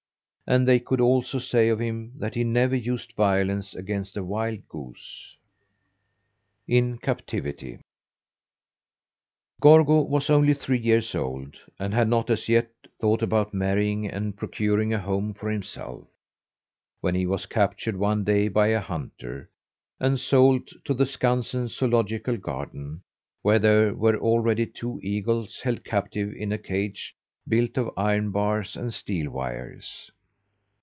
And they could also say of him that he never used violence against a wild goose. IN CAPTIVITY Gorgo was only three years old, and had not as yet thought about marrying and procuring a home for himself, when he was captured one day by a hunter, and sold to the Skansen Zoölogical Garden, where there were already two eagles held captive in a cage built of iron bars and steel wires.